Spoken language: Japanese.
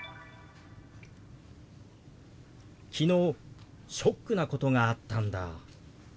「昨日ショックなことがあったんだ」。